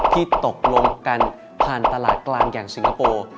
ที่ตกลงกันผ่านตลาดกลางอย่างสิงคโปร์